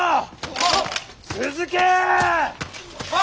はっ！